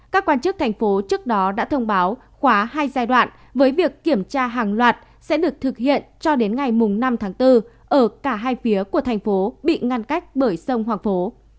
các quan chức thành phố trước đó đã thông báo khóa hai giai đoạn với việc kiểm tra hàng loạt sẽ được thực hiện cho đến ngày năm tháng bốn ở cả hai phía của thành phố bị ngăn cách bởi sông hoàng phố